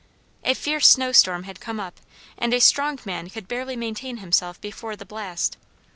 A fierce snow storm had come up and a strong man could barely maintain himself before the blast.